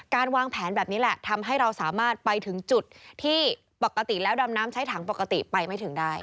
การวางแผนแบบนี้แหละทำให้เราสามารถไปถึงจุดที่ปกติแล้วดำน้ำใช้ถังปกติไปไม่ถึงได้